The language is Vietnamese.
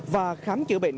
và khám chữa bệnh